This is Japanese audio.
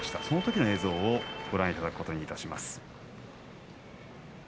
そのときの映像をご覧いただくことにします。